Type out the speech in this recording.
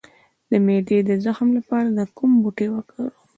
د معدې د زخم لپاره کوم بوټی وکاروم؟